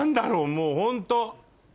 もうホント。